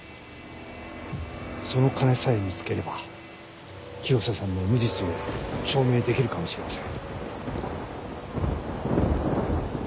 その金さえ見つければ広瀬さんの無実を証明できるかもしれません。